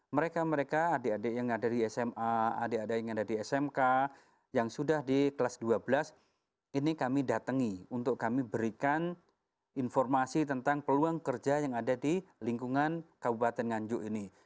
mereka mereka adik adik yang ada di sma adik adik yang ada di smk yang sudah di kelas dua belas ini kami datangi untuk kami berikan informasi tentang peluang kerja yang ada di lingkungan kabupaten nganjuk ini